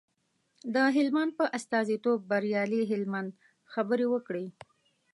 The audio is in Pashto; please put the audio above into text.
د هلمند په استازیتوب بریالي هلمند خبرې وکړې.